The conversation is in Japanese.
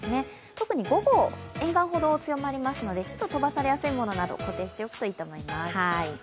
特に午後、沿岸ほど強まりますのでちょっと飛ばされやすいものなど固定しておくといいと思います。